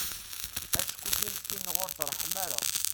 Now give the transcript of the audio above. Acku timetti-nneɣ ur treḥḥem ara.